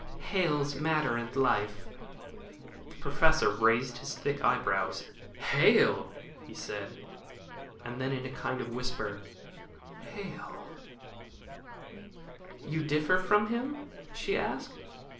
"Hale's Matter and Life." The Professor raised his thick eyebrows. "Hale!" he said, and then again in a kind of whisper, "Hale!" "You differ from him?" she asked.